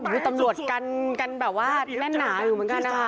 คือตำรวจกันแบบว่าแน่นหนาอยู่เหมือนกันนะคะ